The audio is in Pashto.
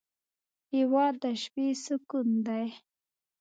هېواد د شپې سکون دی.